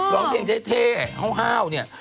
ร้องเพลงจะเท่เฮ่าเนี่ย